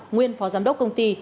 nguyên phó giám đốc công ty